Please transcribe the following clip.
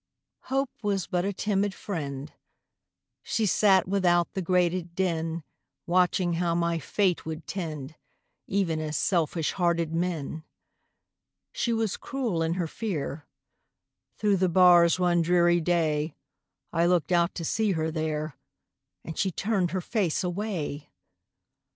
Hope Was but a timid friend; She sat without the grated den, Watching how my fate would tend, Even as selfish hearted men. She was cruel in her fear; Through the bars one dreary day, I looked out to see her there, And she turned her face away!